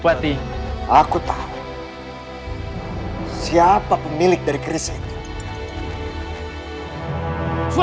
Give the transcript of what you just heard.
wanita saya tidak akan bersedih